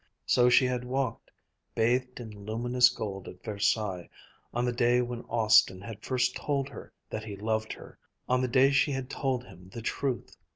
So she had walked, bathed in luminous gold at Versailles, on the day when Austin had first told her that he loved her, on the day she had told him the truth.